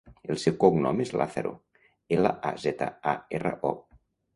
El seu cognom és Lazaro: ela, a, zeta, a, erra, o.